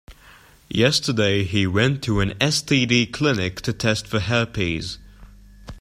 Yesterday, he went to an STD clinic to test for herpes.